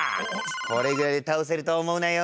これぐらいで倒せると思うなよ。